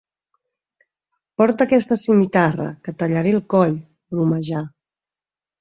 Porta aquesta simitarra, que et tallaré el coll —bromejà.